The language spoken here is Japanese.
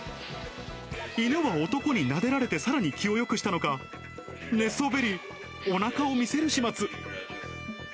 犬も男になでられてさらに気をよくしたのか、寝そべり、おなかを見せる始末。